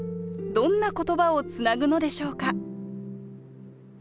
どんな言葉をつなぐのでしょうか？